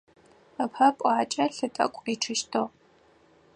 Ыпэ пӏуакӏэ лъы тӏэкӏу къичъыщтыгъ.